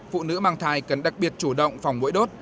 phụ nữ mang thai cần đặc biệt chủ động phòng mũi đốt